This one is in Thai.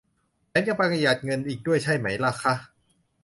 แถมยังประหยัดเงินอีกด้วยใช่ไหมล่ะคะ